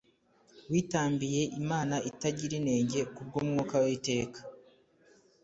witambiye Imana atagira inenge ku bw'Umwuka w'iteka;